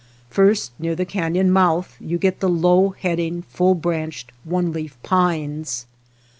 First, near the canon mouth you get the low heading full branched, one leaf pines.